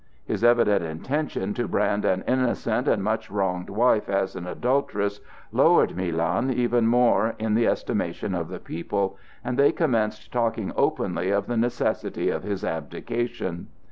His evident intention to brand an innocent and much wronged wife as an adulteress lowered Milan even more in the estimation of the people, and they commenced talking openly of the necessity for his abdication.